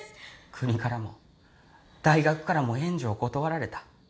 国からも大学からも援助を断られた。